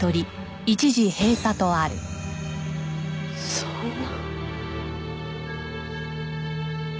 そんな。